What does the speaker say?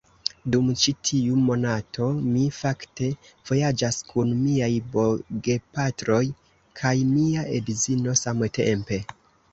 Dum ĉi tiu monato, mi fakte vojaĝas kun miaj bogepatroj kaj mia edzino samtempe